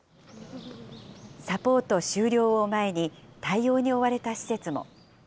サポート終了を前に、対応に追われた施設も。